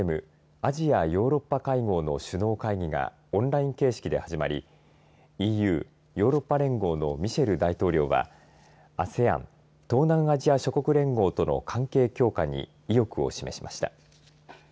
アジア・ヨーロッパ会合の首脳会議がオンライン形式で始まりＥＵ、ヨーロッパ連合のミシェル大統領はＡＳＥＡＮ東南アジア諸国連合との関係強化に意欲を示しました。